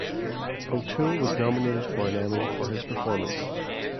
O'Toole was nominated for an Emmy for his performance.